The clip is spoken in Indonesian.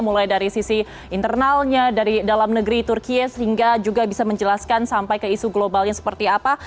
mulai dari sisi internalnya dari dalam negeri turkiye sehingga juga bisa menjelaskan sampai ke isu globalnya seperti apa